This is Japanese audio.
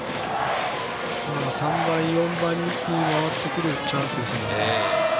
３番、４番に回ってくるチャンスですよね。